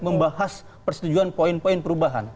membahas persetujuan poin poin perubahan